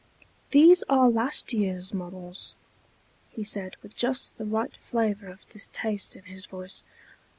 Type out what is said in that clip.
_ "These are last year's models," he said, with just the right flavor of distaste in his voice.